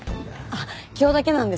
あっ今日だけなんです。